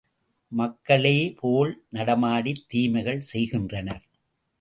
மக்களே போல் நடமாடித் தீமைகள் செய்கின்றனர்.